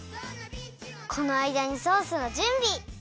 このあいだにソースのじゅんび。